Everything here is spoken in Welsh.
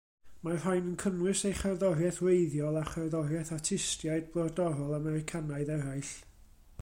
Mae'r rhain yn cynnwys ei cherddoriaeth wreiddiol a cherddoriaeth artistiaid Brodorol Americanaidd eraill.